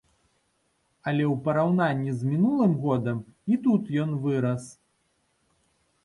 Але ў параўнанні з мінулым годам і тут ён вырас.